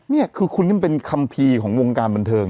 เนี่ยคือคุณเป็นคำพีของวงการบันเทิง